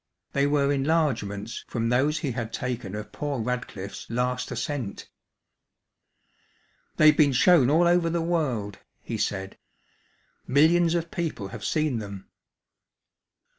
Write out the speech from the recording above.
They were enlargements from those he had taken of poor Radcliffe's last ascent. "They've been shown all over the world," he said. "Millions of people have seen them."